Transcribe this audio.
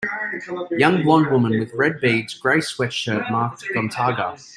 Young blond woman with red beads, gray sweatshirt marked GONTAGA.